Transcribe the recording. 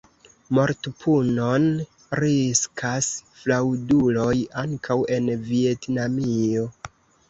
Mortpunon riskas fraŭduloj ankaŭ en Vjetnamio.